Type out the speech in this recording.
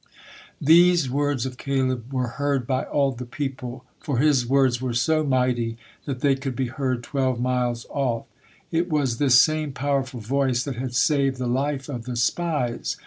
These words of Caleb were heard by all the people, for his words were so mighty that they could be heard twelve miles off. It was this same powerful voice that had saved the life of the spies.